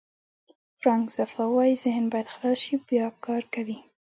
فرانک زفا وایي ذهن باید خلاص شي بیا کار کوي.